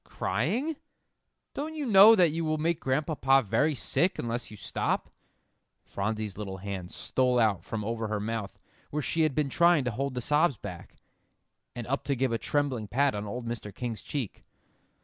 "Crying? Don't you know that you will make Grandpapa very sick unless you stop?" Phronsie's little hand stole out from over her mouth where she had been trying to hold the sobs back, and up to give a trembling pat on old Mr. King's cheek.